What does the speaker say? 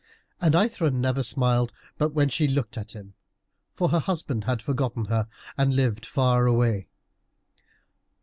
And Aithra never smiled but when she looked at him, for her husband had forgotten her, and lived far away.